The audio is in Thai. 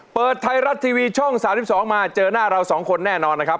เปิดไทยรัฐทีวีช่อง๓๒มาเจอหน้าเราสองคนแน่นอนนะครับ